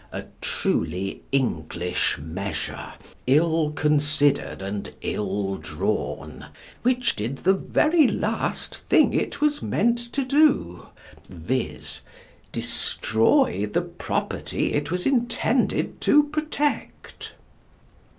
A truly English measure, ill considered and ill drawn, which did the very last thing it was meant to do viz., destroy the property it was intended to protect.